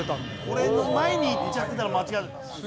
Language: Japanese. これの前にいっちゃってたら間違ってたんだ。